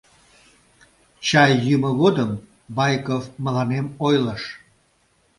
Чай йӱмӧ годым Байков мыланем ойлыш: